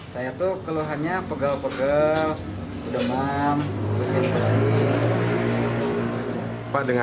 saya tuh keluhannya pegel pegel demam kusik kusik